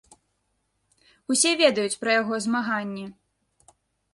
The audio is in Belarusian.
Усе ведаюць пра яго змаганне.